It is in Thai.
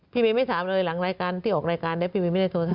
พี่เวย์ไม่ถามเลยหลังรายการที่ออกรายการเนี่ยพี่เวย์ไม่ได้โทรศั